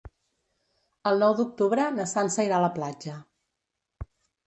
El nou d'octubre na Sança irà a la platja.